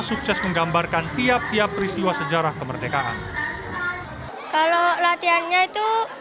sukses menggambarkan tiap tiap peristiwa sejarah kemerdekaan kalau latihannya itu